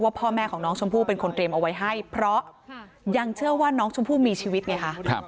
พ่อแม่ของน้องชมพู่เป็นคนเตรียมเอาไว้ให้เพราะยังเชื่อว่าน้องชมพู่มีชีวิตไงคะ